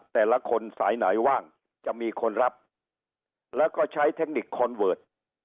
แต่ละคนสายไหนว่างจะมีคนรับแล้วก็ใช้เทคนิคคอนเวิร์ต